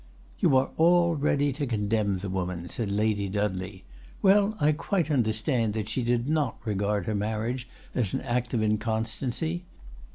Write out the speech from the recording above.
"You are all ready to condemn the woman," said Lady Dudley. "Well, I quite understand that she did not regard her marriage as an act of inconstancy.